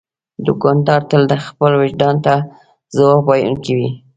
دوکاندار تل خپل وجدان ته ځواب ویونکی وي.